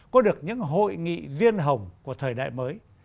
có được những hội nghị riêng hồng của thời đại mới